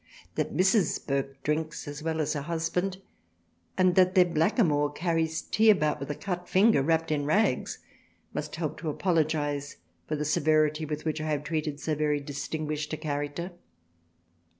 That Mrs. Burke drinks as well as her Husband and that their black a moor carries Tea about with a cut finger wrapped in Rags s 34 THRALIANA must help to apologise for the severity with which I have treated so very distinguished a Character."